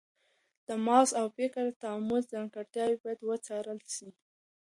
د مغز او فکر د تعامل څرنګوالی باید وڅېړل سي.